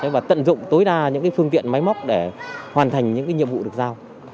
và tận dụng tối đa những phương tiện máy móc để hoàn thành những nhiệm vụ được giao